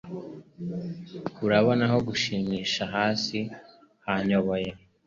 Urabona aho gushimisha hasi byanyoboye